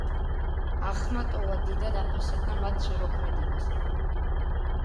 ახმატოვა დიდად აფასებდა მათ შემოქმედებას.